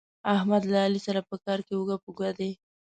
احمد له علي سره په کار کې اوږه په اوږه دی.